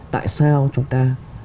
tại sao chúng ta